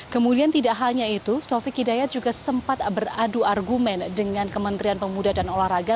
kemudian tidak hanya itu taufik hidayat juga sempat beradu argumen dengan kementerian pemuda dan olahraga